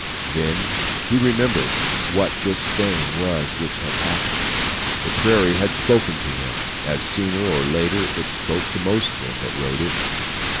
"Then he remembered what this thing was which had happened. The prairie had spoken to him, as sooner or later it spoke to most men that rode it.